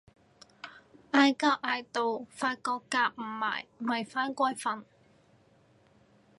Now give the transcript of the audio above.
嗌交嗌到發覺夾唔埋咪返歸瞓